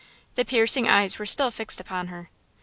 The piercing eyes were still fixed upon her.